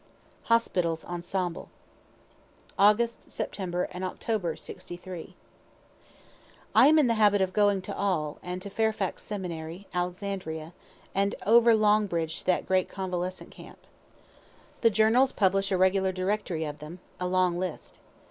HOSPITALS ENSEMBLE Aug., Sept., and Oct., '63. I am in the habit of going to all, and to Fairfax seminary, Alexandria, and over Long bridge to the great Convalescent camp. The journals publish a regular directory of them a long list.